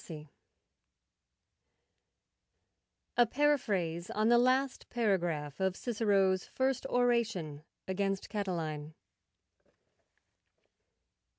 A PARAPHRASE ON THE LAST PARAGRAPH OF CICERO'S FIRST ORATION AGAINST CATILINE.